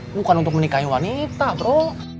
bukan untuk menikahi wanita bro